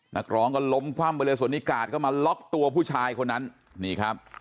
นักร้องก็ล้มคว่ำไปเลยส่วนนี้กาดก็มาล็อกตัวผู้ชายคนนั้นนี่ครับ